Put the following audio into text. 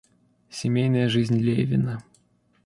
Семейная жизнь Левина.